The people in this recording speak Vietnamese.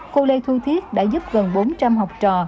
cô lê thu thiết đã giúp gần bốn trăm linh học trò